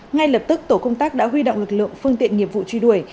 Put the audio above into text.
ngay lập tức tổ công tác đã huy động lực lượng phương tiện nghiệp vụ truy đuổi